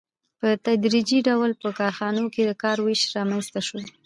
په تدریجي ډول په کارخانو کې د کار وېش رامنځته شو